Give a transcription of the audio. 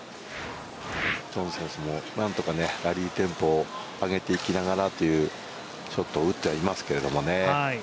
チョン選手もなんとかラリーテンポを上げていきながらというショットを打っていますけれどもね。